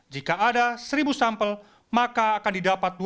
jika ada seribu sampel maka akan didapat dua ratus tabung